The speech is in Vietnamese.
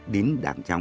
đến đảng trong